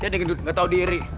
liat nih gendut gak tau diri